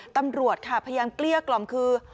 ตำรวจค่ะพยายามเกลี้ยกล่อมคือ